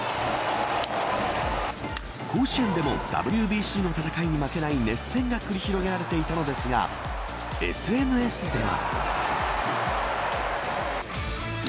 甲子園でもＷＢＣの戦いに負けない熱戦が繰り広げられていたのですがＳＮＳでは。